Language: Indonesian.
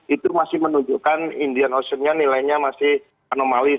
itu masih menunjukkan indian ocean nya nilainya masih anomalis